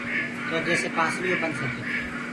تو جيڪسي پانسݪيونٚ ٻنَد سڪين۔